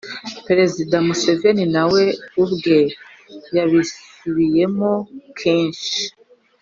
perezida museveni na we ubwe yabisubiyemo kenshi.